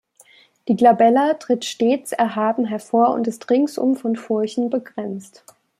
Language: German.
Die Glabella tritt stets erhaben hervor und ist ringsum von Furchen begrenzt.